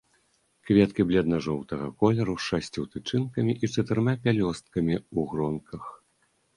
Кветкі бледна-жоўтага колеру, з шасцю тычынкамі і чатырма пялёсткамі, у гронках.